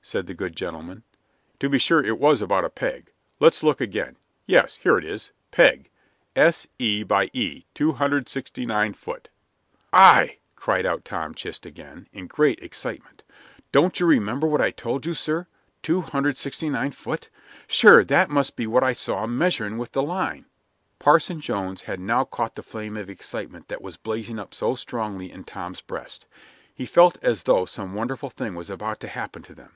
said the good gentleman. "To be sure it was about a peg. Let's look again. Yes, here it is. 'Peg S. E. by E. 269 foot.'" "Aye!" cried out Tom Chist again, in great excitement. "Don't you remember what I told you, sir, 269 foot? Sure that must be what I saw 'em measuring with the line." Parson Jones had now caught the flame of excitement that was blazing up so strongly in Tom's breast. He felt as though some wonderful thing was about to happen to them.